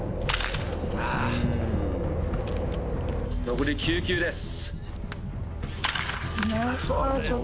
残り９球です。